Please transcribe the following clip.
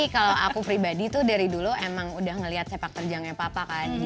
kalau aku pribadi tuh dari dulu emang udah ngelihat sepak terjangnya papa kan